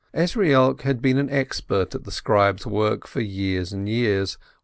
Ezrielk had been an expert at the scribe's work for years and years.